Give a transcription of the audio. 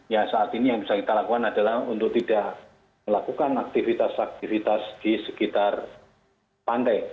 ya saat ini yang bisa kita lakukan adalah untuk tidak melakukan aktivitas aktivitas di sekitar pantai